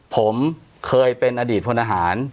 ผมเคยเป็นอดีตพลทหาร